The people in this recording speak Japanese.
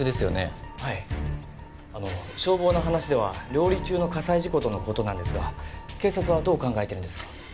あの消防の話では料理中の火災事故との事なんですが警察はどう考えてるんですか？